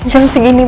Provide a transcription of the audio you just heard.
enggak ada bagaimana